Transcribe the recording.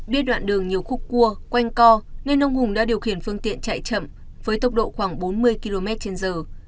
biết đoạn đường nhiều khúc cua quanh co nên ông hùng đã điều khiển phương tiện chạy chậm với tốc độ khoảng bốn mươi km trên giờ